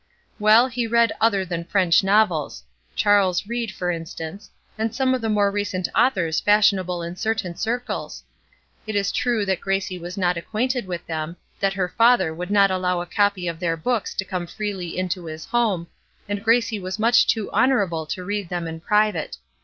Well, he read other than French novels; Charles Reade, for instance, and some of the more recent authors fashionable in certain circles. It is true that Gracie was not acquainted with them, that her father would not allow a copy of their books to come freely into his home, and Gracie was much too honorable to read them in private.